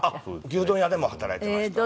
牛丼屋でも働いていました。